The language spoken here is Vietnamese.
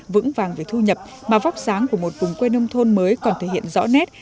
vững vàng về thu nhập mà vóc sáng của một vùng quê nông thôn mới còn thể hiện rõ nét